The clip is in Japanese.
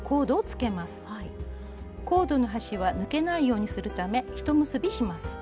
コードの端は抜けないようにするためひと結びします。